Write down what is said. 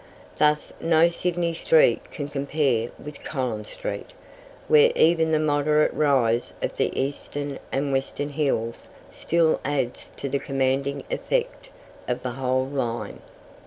Thus no Sydney street can compare with Collins street, where even the moderate rise of the eastern and western hills still adds to the commanding effect of the whole line.